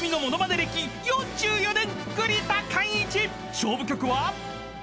［勝負曲は］